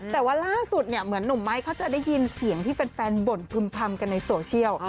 แต่ว่าล่าสุดเนี่ยเหมือนหนุ่มไม้เขาจะได้ยินเสียงที่แฟนบ่นพึ่มพำกันในโซเชียล